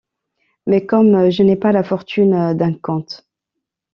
Mais comme je n’ai pas la fortune d’un comte